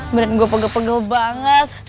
beneran gue pegel pegel banget